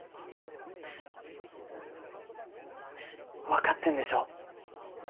分かってんでしょ。